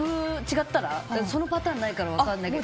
そのパターンはないから分からないけど